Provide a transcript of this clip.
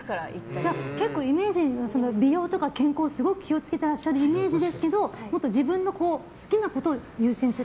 じゃあ結構、美容とか健康をすごく気を付けていらっしゃるイメージですけどもっと自分の好きなことを優先する？